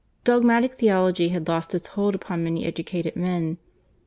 Dogmatic theology had lost its hold upon many educated men.